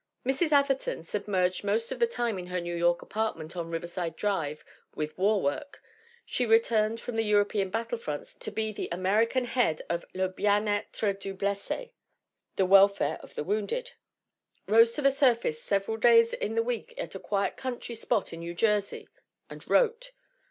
Mrs. Atherton, sub merged most of the time in her New York apartment on Riverside Drive with war work she returned GERTRUDE ATHERTON 47 from the European battle fronts to be the American head of Le Bien etre du Blesse, "the welfare of the wounded" rose to the surface several days in the week at a quiet country spot in New Jersey, and wrote.